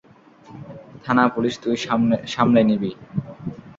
থানা পুলিশ তুই সামলে নিবি।